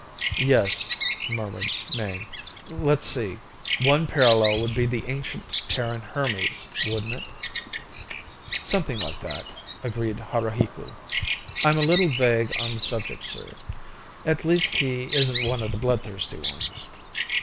"Yes," murmured Mayne. "Let's see ... one parallel would be the ancient Terran Hermes, wouldn't it?" "Something like that," agreed Haruhiku. "I'm a little vague on the subject, sir. At least, he isn't one of the bloodthirsty ones."